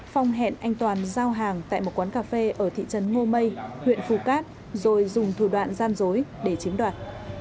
phong hẹn anh toàn giao hàng tại một quán cà phê ở thị trấn ngô mây huyện phù cát rồi dùng thủ đoạn gian dối để chiếm đoạt